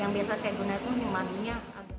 yang biasa saya gunakan humaninya